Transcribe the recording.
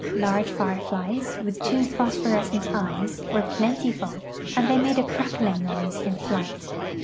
Large fireflies, with two phosphorescent eyes, were plentiful; they made a crackling noise in flight.